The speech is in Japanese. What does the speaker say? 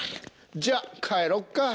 じゃあ帰ろっか。